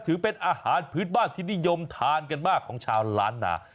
ถือเป็นอาหารพื้นบ้านที่นิยมทานกันมากของชาวล้านนา